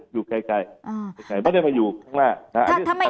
อยู่ไกลไม่ได้มาอยู่ข้างหน้า